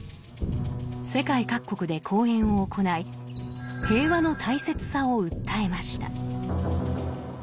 世界各国で講演を行い平和の大切さを訴えました。